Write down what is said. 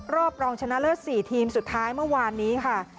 รองชนะเลิศ๔ทีมสุดท้ายเมื่อวานนี้ค่ะ